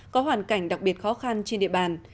có hoàn cảnh đặc biệt khó khăn trên địa bàn